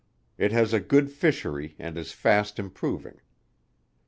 It has a good fishery and is fast improving.